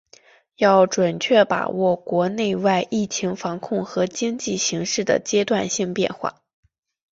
要准确把握国内外疫情防控和经济形势的阶段性变化